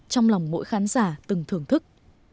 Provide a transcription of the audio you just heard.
trong lòng mỗi khán giả từng thưởng thức